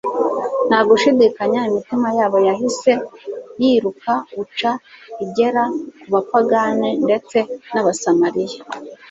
Nta gushidikanya imitima yabo yahise yirukauca igera ku bapagani ndetse n'abasamaliya